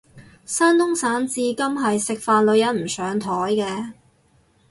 山東省至今係食飯女人唔上枱嘅